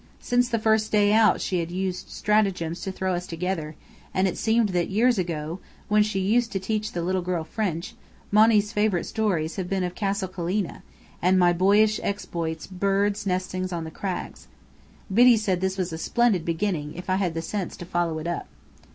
Since the first day out she had used strategems to throw us together: and it seemed that, years ago, when she used to teach the little girl French, Monny's favourite stories had been of Castle Killeena, and my boyish exploits birds' nesting on the crags. (Biddy said that this was a splendid beginning, if I had the sense to follow it up.)